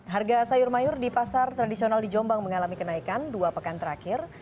harga sayur mayur di pasar tradisional di jombang mengalami kenaikan dua pekan terakhir